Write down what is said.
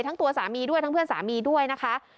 ทั้งตัวสามีด้วยทั้งเพื่อนสามีด้วยนะคะ